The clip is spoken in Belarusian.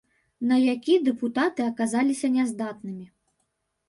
На які дэпутаты аказаліся няздатнымі.